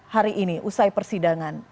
hari ini usai persidangan